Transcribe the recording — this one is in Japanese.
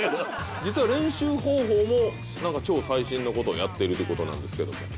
実は練習方法も超最新のことをやっているということなんですけども。